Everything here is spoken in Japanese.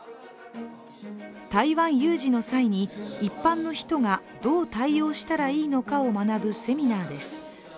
台湾有事の際に、一般の人がどう対応したらいいのかを学ぶセミナーです。